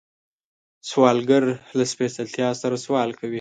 سوالګر له سپېڅلتیا سره سوال کوي